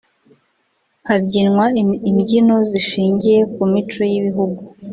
habyinwa imbyino zishingiye ku mico y’ibihugu